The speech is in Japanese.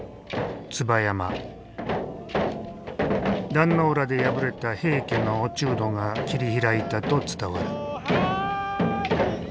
壇ノ浦で敗れた平家の落人が切り開いたと伝わる。